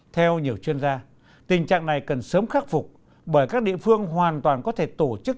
theo nhiều chuyên gia tình trạng này cần sớm khắc phục bởi các địa phương hoàn toàn có thể tổ chức